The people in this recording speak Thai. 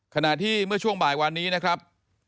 ขณะที่เมื่อช่วงบ่ายวันนี้นะครับ